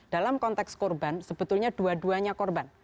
dalam konteks korban sebetulnya dua duanya korban